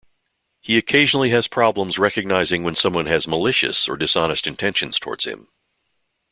He occasionally has problems recognizing when someone has malicious or dishonest intentions towards him.